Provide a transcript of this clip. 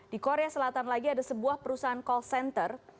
di korea selatan lagi ada sebuah perusahaan call center